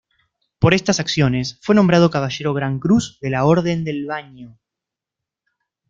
Por estas acciones fue nombrado caballero gran cruz de la Orden del Baño.